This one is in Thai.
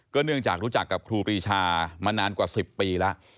เนื่องจากรู้จักกับครูปรีชามานานกว่า๑๐ปีแล้ว